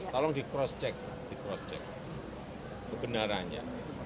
tolong di cross check di cross check kebenarannya